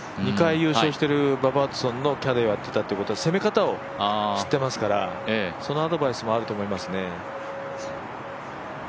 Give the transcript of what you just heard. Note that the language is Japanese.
２回、優勝しているバッバ・ワトソンのキャディーをしていたということは攻め方を知ってますからそのアドバイスもあると思いますね。